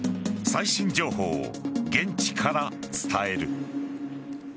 最新情報を現地から伝える。